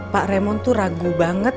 pak remon tuh ragu banget